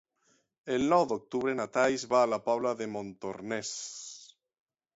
El nou d'octubre na Thaís va a la Pobla de Montornès.